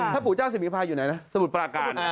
ถ้าปู่เจ้าศิมีภาอยู่ไหนนะสมุทรปราการ